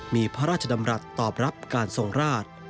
มีพระราชดำรัฐตอบรับการทรงราช